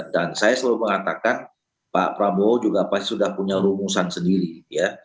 dan saya selalu mengatakan pak prabowo juga pasti sudah punya rumusan sendiri ya